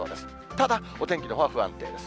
ただお天気のほうは不安定です。